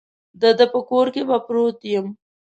د ده په کور کې به پروت یم.